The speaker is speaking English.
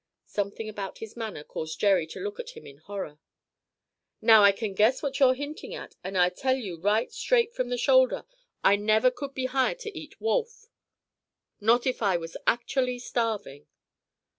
Something about his manner caused Jerry to look at him in horror. "Now, I can guess what you're hinting at, and I tell you right straight from the shoulder I never could be hired to eat wolf, not if I was actually starving."